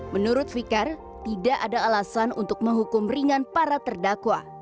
menurut fikar tidak ada alasan untuk menghukum ringan para terdakwa